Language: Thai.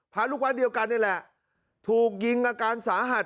พระลูกวัดเดียวกันนี่แหละถูกยิงอาการสาหัส